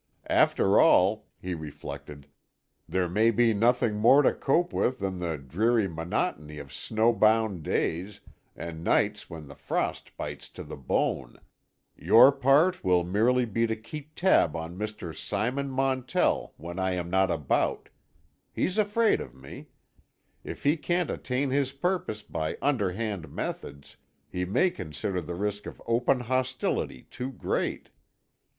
After all," he reflected, "there may be nothing more to cope with than the dreary monotony of snowbound days, and nights when the frost bites to the bone. Your part will merely be to keep tab on Mr. Simon Montell when I am not about. He's afraid of me. If he can't attain his purpose by underhand methods, he may consider the risk of open hostility too great.